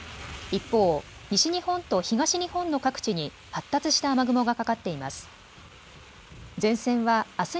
一方、西日本と東日本の各地に発達した雨雲がかかっています。